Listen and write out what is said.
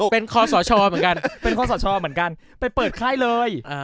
เป็นข้อสอชอบเหมือนกันไปเปิดค่ายเลย